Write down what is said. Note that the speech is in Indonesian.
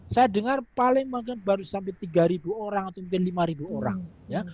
saya dengar paling mungkin baru sampai tiga orang atau mungkin lima orang ya